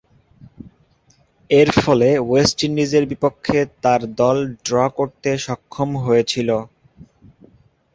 এরফলে, ওয়েস্ট ইন্ডিজের বিপক্ষে তার দল ড্র করতে সক্ষম হয়েছিল।